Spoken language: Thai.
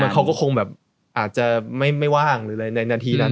เขาก็คงแบบอาจจะไม่ว่างหรืออะไรในนาทีนั้น